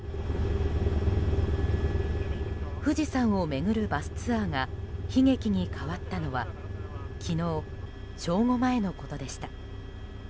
富士山を巡るバスツアーが悲劇に変わったのは昨日、正午前のことでした。